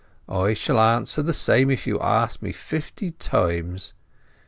J shall answer the same if you ask me fifty times.